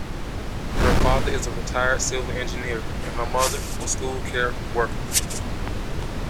Her father is a retired civil engineer, and her mother a school care worker.